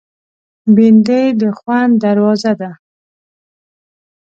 بېنډۍ د خوند دروازه ده